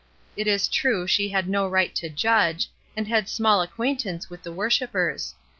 It is true she had no right to judge, she had small acquaintance with the worshippers.